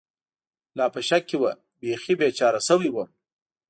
لا په شک کې و، بېخي بېچاره شوی ووم.